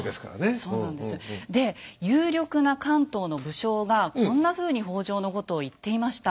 で有力な関東の武将がこんなふうに北条のことを言っていました。